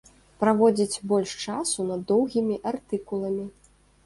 Праводзіць больш часу над доўгімі артыкуламі.